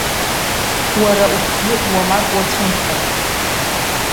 Уара ухгьы уамак уацәымшәан.